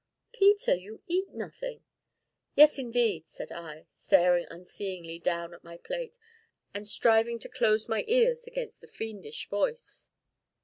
"Peter, you eat nothing." "Yes, indeed!" said I, staring unseeingly down at my plate, and striving to close my ears against the fiendish voice.